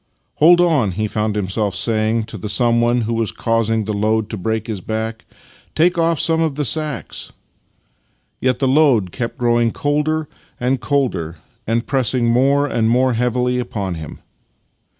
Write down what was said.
" Hold on," he found him self saying to the someone who M'as causing the load to break his back. " Take off some of the sacks." Yet the load kept growing colder and colder, and press ing more and more heavily upon him.